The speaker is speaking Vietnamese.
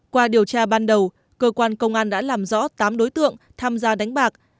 qua điều tra ban đầu cơ quan công an đã làm rõ tám đối tượng tham gia đánh bạc